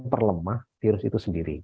memperlemah virus itu sendiri